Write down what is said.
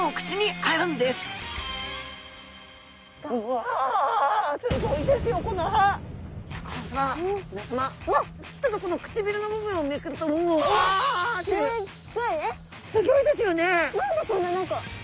何でこんな何か。